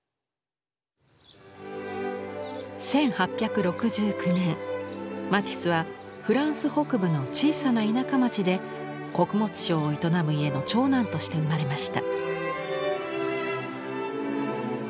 １８６９年マティスはフランス北部の小さな田舎町で穀物商を営む家の長男として生まれました。